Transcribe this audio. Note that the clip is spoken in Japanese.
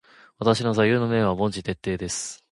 私の座右の銘は凡事徹底です。